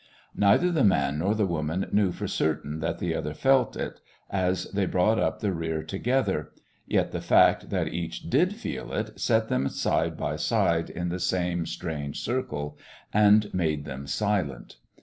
Neither the man nor the girl knew for certain that the other felt it, as they brought up the rear together; yet the fact that each did feel it set them side by side in the same strange circle and made them silent.